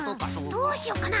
どうしようかな？